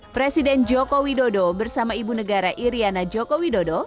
presiden joko widodo bersama ibu negara iryana joko widodo